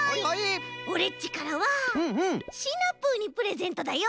オレっちからはシナプーにプレゼントだよ。